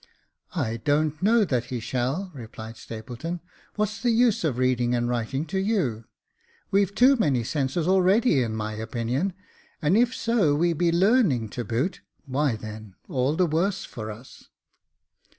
" I don't know that he shall," replied Stapleton. " What's the use of reading and writing to you ? We've too many senses already in my opinion, and if so be we have learning to boot, why then all the worse for us."